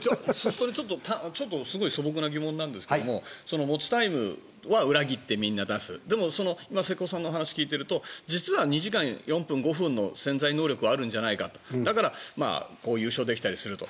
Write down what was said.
すごい素朴な疑問なんですけど持ちタイムは裏切ってみんな出すでも瀬古さんのお話を聞いてると実は２時間４分、５分の潜在能力はあるんじゃないかだから、優勝できたりすると。